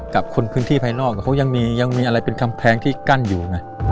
กับคนพื้นที่ภายนอกเขายังมีอะไรเป็นกำแพงที่กั้นอยู่ไง